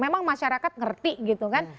memang masyarakat ngerti gitu kan